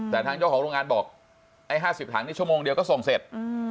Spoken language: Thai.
แต่ทางเจ้าของโรงงานบอกไอ้๕๐ถังนี่ชั่วโมงเดียวก็ส่งเสร็จ